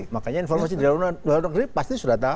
makanya informasi dari luar negeri pasti sudah tahu